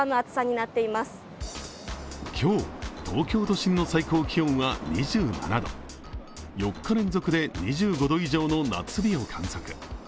今日、東京都心の最高気温は２７度４日連続で２５度以上の夏日を観測。